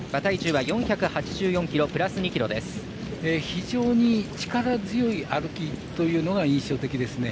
非常に力強い歩きというのが印象的ですね。